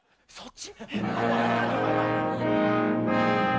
そっち？